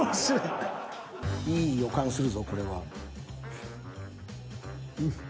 いい予感するぞこれは。うん。